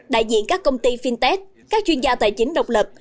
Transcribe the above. đại diện các công ty fintech các chuyên gia tài chính độc lập